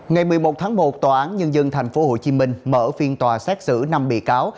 ngày một mươi một tháng một tòa án nhân dân tp hcm mở phiên tòa xét xử năm bị cáo